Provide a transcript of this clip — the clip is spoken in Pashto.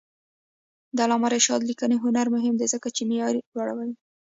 د علامه رشاد لیکنی هنر مهم دی ځکه چې معیار لوړوي.